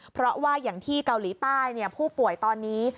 เพราะว่าอย่างที่เกาหลีใต้ผู้ป่วยตอนนี้